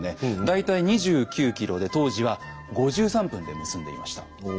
大体２９ｋｍで当時は５３分で結んでいました。